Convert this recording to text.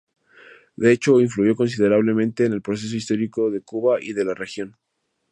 Este hecho influyó considerablemente en el proceso histórico de Cuba y de la región.